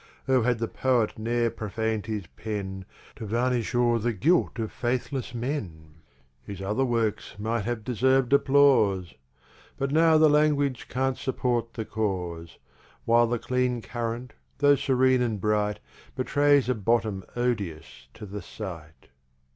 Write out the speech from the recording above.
Oh had the Poet ne'er profan'd his Pen, To varnish o'er the Guilt of Faithless Men, His other works might have deserv'd applause! But now the Language can't support the Cause; While the clean Current, tho' serene and bright, Betray's a bottom odious to the sight.